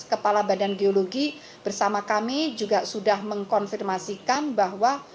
kepala badan geologi bersama kami juga sudah mengkonfirmasikan bahwa